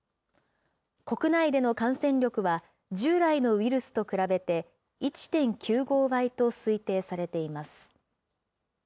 国内での感染力は、従来のウイルスと比べて、１．９５倍と推定されています。